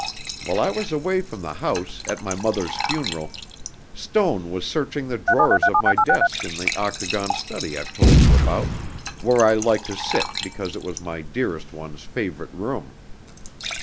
While I was away from the house, at my mother's funeral, Stone was searching the drawers of my desk in the octagon study I've told you about, where I like to sit because it was my dearest one's favorite room.